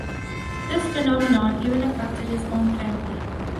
This phenomenon even affected his own family.